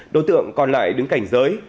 đối tượng còn lại đứng cảnh giới